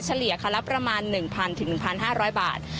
เลียคันละประมาณ๑๐๐๑๕๐๐บาท